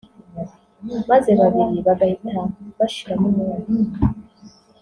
maze babiri bagahita bashiramo umwuka